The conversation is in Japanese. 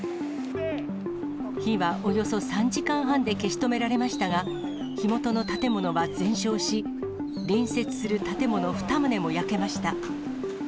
火はおよそ３時間半で消し止められましたが、火元の建物は全焼し、隣接する建物２棟も焼けました。